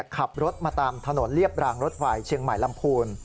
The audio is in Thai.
ขับรถมาตามถนนเรียบรางรถไฟเชียงใหม่ลำพูน